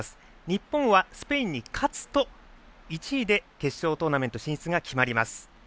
日本はスペインに勝つと１位で決勝トーナメント進出が決まります。